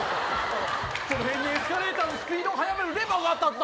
この辺にエスカレーターのスピードを速めるレバーがあったはずだ。